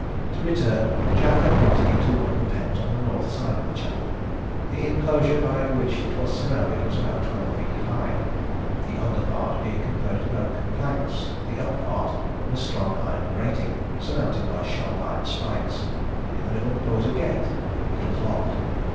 To return, Jack had got into one of the pens at the north side of the chapel. The inclosure by which it was surrounded was about twelve feet high; the under part being composed of oaken planks, the upper part of a strong iron grating, surmounted by sharp iron spikes. In the middle there was a gate: it was locked.